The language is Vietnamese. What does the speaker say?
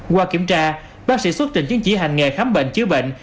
qua kiểm tra bác sĩ xuất trình chứng chỉ hành nghề khám bệnh chứa bệnh